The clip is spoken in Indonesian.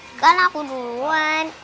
enggak lah aku duluan